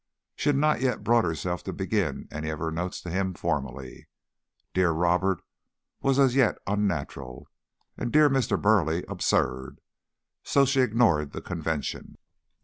She had not yet brought herself to begin any of her notes to him formally. "Dear Robert" was as yet unnatural, and "Dear Mr. Burleigh" absurd; so she ignored the convention.